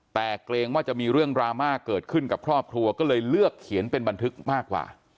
แต่เกรงว่าจะมีเรื่องดราม่าเกิดขึ้นกับครอบครัวก็เลยเลือกเขียนเป็นบันทึกมากกว่า